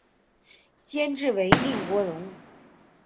监制为岑国荣。